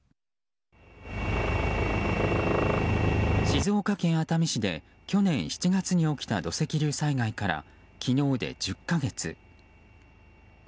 静岡県熱海市で去年７月に起きた土石流災害から昨日で１０か月。